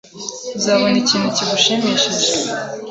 Uzabona ikintu kigushimishije.